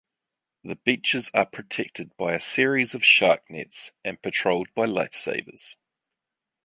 The beaches are protected by a series of shark nets and patrolled by lifesavers.